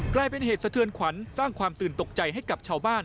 ใกล้เป็นเศษฐือนขวัญสร้างความตื่นตกใจให้กับชาวบ้าน